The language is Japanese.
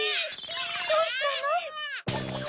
どうしたの？